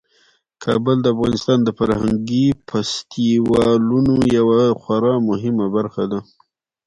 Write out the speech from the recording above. کابل د افغانستان د فرهنګي فستیوالونو یوه خورا مهمه برخه ده.